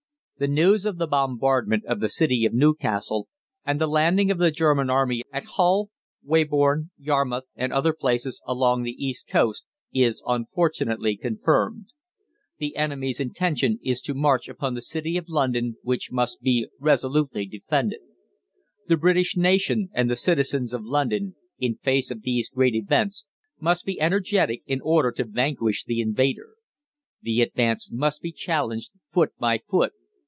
THE NEWS OF THE BOMBARDMENT of the City of Newcastle and the landing of the German Army at Hull, Weybourne, Yarmouth, and other places along the East Coast is unfortunately confirmed. THE ENEMY'S INTENTION is to march upon the City of London, which must be resolutely defended. THE BRITISH NATION and the Citizens of London, in face of these great events, must be energetic in order to vanquish the invader. The ADVANCE must be CHALLENGED FOOT BY FOOT.